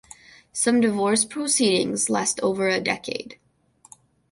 Some divorce proceedings last over a decade.